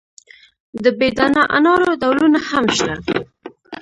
د بې دانه انارو ډولونه هم شته.